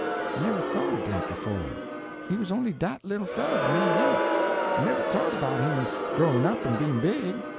"I never thought o' dat befo'! He was only dat little feller to ME yit. I never thought 'bout him growin' up an' bein' big.